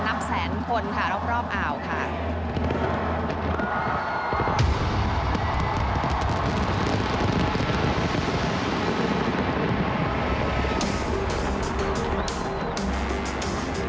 นับแสนคนค่ะรอบอ่าวค่ะ